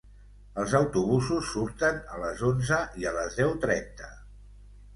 Els autobusos surten a les onze i a les deu trenta.